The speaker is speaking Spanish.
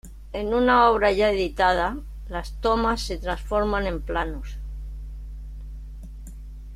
En una obra ya editada, las tomas se transforman en planos.